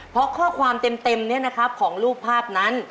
เพราะข้อความเต็มของรูปภาพนั้น